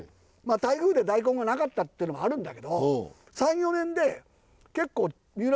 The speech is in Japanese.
まあ台風で大根がなかったってのもあるんだけど。